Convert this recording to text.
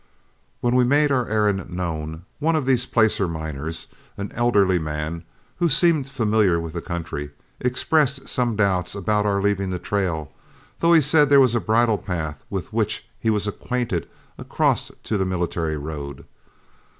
When we made our errand known, one of these placer miners, an elderly man who seemed familiar with the country, expressed some doubts about our leaving the trail, though he said there was a bridle path with which he was acquainted across to the military road.